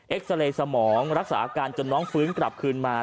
ซาเรย์สมองรักษาอาการจนน้องฟื้นกลับคืนมา